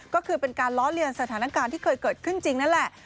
ก็คือเป็นการล้อเลียนสถานการณ์ที่เคยเกิดขึ้นจริงนั่นแหละ